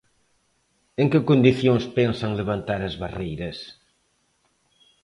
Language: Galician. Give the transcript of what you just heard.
¿En que condicións pensan levantar as barreiras?